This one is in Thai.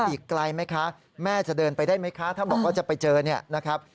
อีกไกลไหมคะแม่จะเดินไปได้ไหมคะถ้าบอกว่าจะไปเจอเนี่ยนะครับ